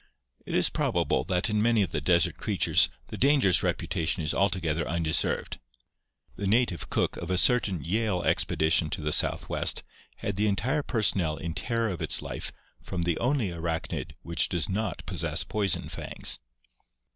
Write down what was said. It is probable that in many of the desert crea tures the dangerous reputation is altogether undeserved. The native cook of a certain Yale expedition to the Southwest had the entire personnel in terror of its life from the only arachnid which does not possess poison fangs!